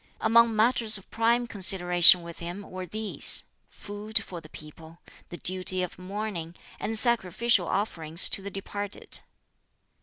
Among matters of prime consideration with him were these food for the people, the duty of mourning, and sacrificial offerings to the departed.